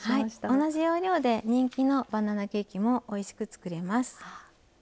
同じ要領で人気のバナナケーキもおいしく作れます。